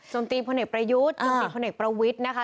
มตีพลเอกประยุทธ์จมตีพลเอกประวิทย์นะคะ